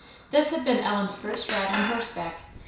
This had been Ellen's first ride on horseback.